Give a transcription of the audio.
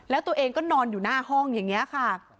แล้วตัวเองก็นอนอยู่หน้าห้องอย่างนี้ค่ะ